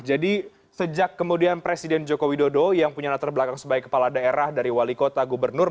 jadi sejak kemudian presiden joko widodo yang punya latar belakang sebagai kepala daerah dari wali kota gubernur